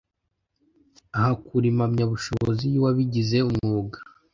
ahakura impamyabushobozi y’uwabigize umwuga